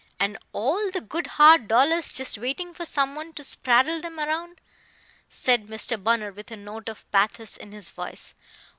"And all the good hard dollars just waiting for someone to spraddle them around!" said Mr. Bunner with a note of pathos in his voice.